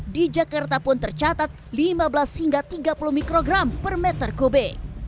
di jakarta pun tercatat lima belas hingga tiga puluh mikrogram per meter kubik